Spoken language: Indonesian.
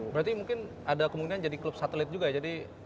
berarti mungkin ada kemungkinan jadi klub satelit juga ya